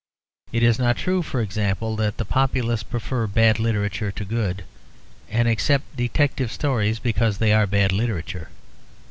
It is not true, for example, that the populace prefer bad literature to good, and accept detective stories because they are bad literature.